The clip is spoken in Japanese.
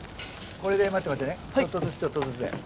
これで待って待ってねちょっとずつちょっとずつで。